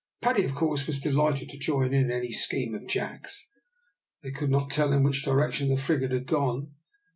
Paddy, of course, was delighted to join in any scheme of Jack's. They could not tell in which direction the frigate had gone.